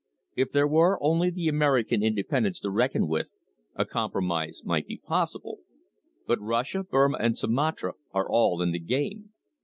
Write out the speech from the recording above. If there were only the American independents to reckon with, a compromise might be possible, but Russia, Burmah and Sumatra are all in the game.